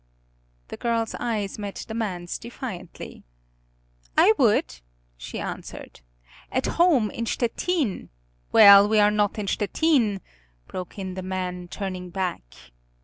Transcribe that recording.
The girl's eyes met the man's defiantly. "I would," she answered. "At home, in Stettin " "Well, we're not in Stettin," broke in the man, turning back.